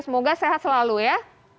semoga sehat selalu ya